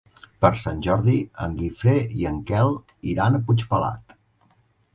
Per Sant Jordi en Guifré i en Quel iran a Puigpelat.